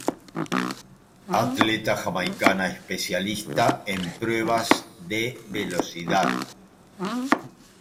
Atleta jamaicana especialista en pruebas de velocidad.